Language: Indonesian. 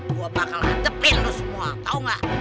gua bakal hadepin lu semua tau gak